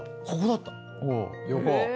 横。